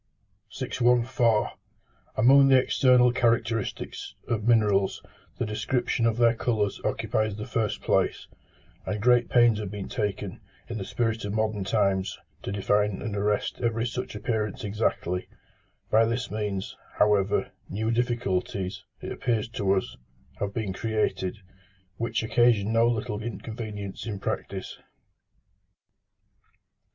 614. Among the external characteristics of minerals, the description of their colours occupies the first place; and great pains have been taken, in the spirit of modern times, to define and arrest every such appearance exactly: by this means, however, new difficulties, it appears to us, have been created, which occasion no little inconvenience in practice.